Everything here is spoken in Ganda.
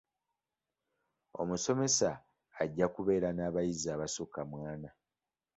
Omusomesa ajja kubeera n'abayizi abasukka mu ana.